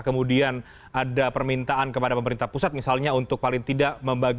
terima kasih pak